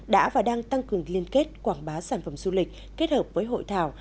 đã và đang tăng cường liên kết quảng bá sản phẩm du lịch kết hợp với hội thảo